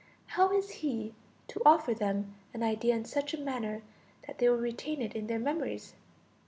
How is he to offer them an idea in such a manner that they will retain it in their memories?